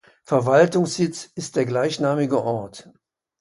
Verwaltungssitz ist der gleichnamige Ort.